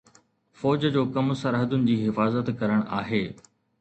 فوج جو ڪم سرحدن جي حفاظت ڪرڻ آهي